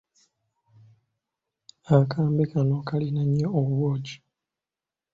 Akambe kano kalina nnyo obwogi.